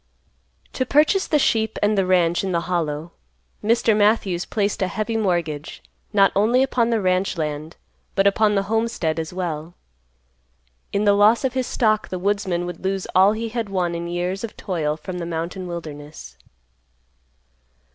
To purchase the sheep and the ranch in the Hollow, Mr. Matthews placed a heavy mortgage not only upon the ranch land but upon the homestead as well. In the loss of his stock the woodsman would lose all he had won in years of toil from the mountain wilderness.